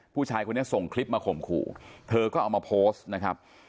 ผู้ชายคนนี้ส่งคลิปมาข่มขู่เธอก็เอามาโพสต์นะครับ